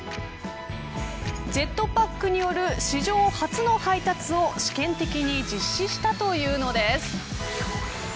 ジェットパックによる史上初の配達を試験的に実施したというのです。